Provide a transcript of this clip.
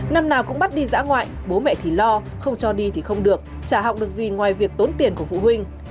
năm nào cũng bắt đi dã ngoại bố mẹ thì lo không cho đi thì không được trả học được gì ngoài việc tốn tiền của phụ huynh